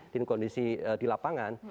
di kondisi di lapangan